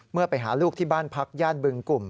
เมื่อไปหาลูกที่บ้านพักย่านบึงกลุ่ม